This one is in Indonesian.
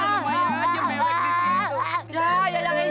lumayan aja mewek di situ